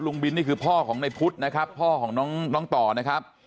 บินนี่คือพ่อของในพุทธนะครับพ่อของน้องต่อนะครับ